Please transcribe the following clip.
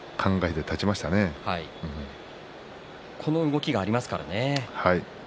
この動きがありますからね。